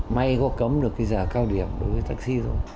may có cấm được cái giờ cao điểm đối với taxi thôi